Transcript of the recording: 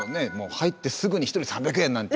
入ってすぐに「１人３００円」なんて。